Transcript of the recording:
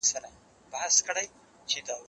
زه پرون ليکلي پاڼي ترتيب کړل